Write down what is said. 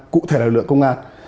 cụ thể là lực lượng công an